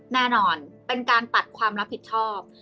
แน่นอนเป็นการปัดความรับผิดชอบ